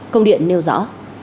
công điện nêu rõ